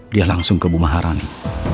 dia langsung ke bumaharani